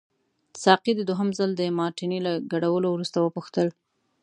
ساقي د دوهم ځلي د مارټیني له ګډولو وروسته وپوښتل.